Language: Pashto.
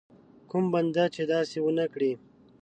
کوم بنده چې داسې ونه کړي.